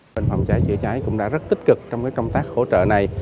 bệnh phòng chữa cháy cũng đã rất tích cực trong công tác hỗ trợ này